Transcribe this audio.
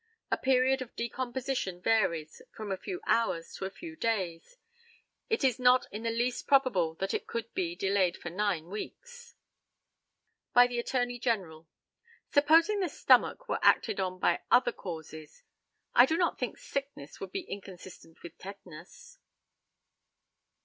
The period of decomposition varies from a few hours to a few days. It is not in the least probable that it could be delayed for nine weeks. By the ATTORNEY GENERAL: Supposing the stomach were acted on by other causes, I do not think sickness would be inconsistent with tetanus.